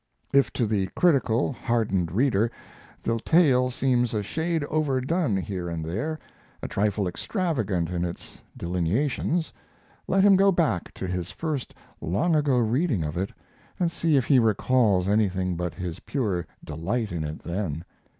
If to the critical, hardened reader the tale seems a shade overdone here and there, a trifle extravagant in its delineations, let him go back to his first long ago reading of it and see if he recalls anything but his pure delight in it then.